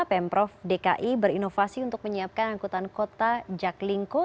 pemprov dki berinovasi untuk menyiapkan angkutan kota jaklingko